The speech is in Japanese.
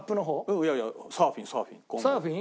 いやいやサーフィンサーフィン。